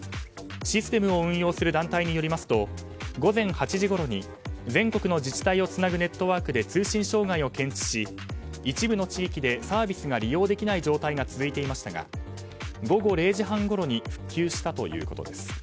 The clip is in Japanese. システムを運用する団体によりますと午前８時ごろに全国の自治体をつなぐネットワークで通信障害を検知し、一部の地域でサービスが利用できない状態が続いていましたが午後０時半ごろに復旧したということです。